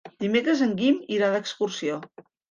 Dimecres en Guim irà d'excursió.